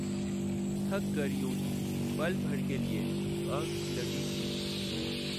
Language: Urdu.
تھک کر یوں ہی پل بھر کے لیے آنکھ لگی تھی